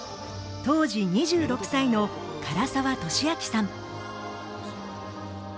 当時２６歳の唐沢寿明さん。